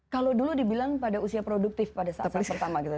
kalau dulu dibilang pada usia produktif pada saat yang pertama gitu